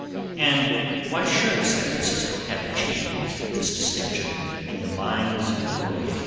And why should San Francisco have achieved this distinction in the minds of the gourmets?